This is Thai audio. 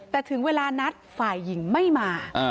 แต่ถึงเวลานัดฝ่ายหญิงไม่มา